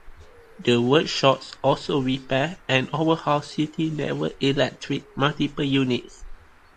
The workshops also repair and overhaul City network electric multiple units.